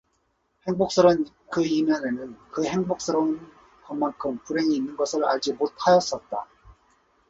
행복스러운 그 이면에는 그 행복스러운 것만큼 불행이 있는 것을 알지 못 하였었다.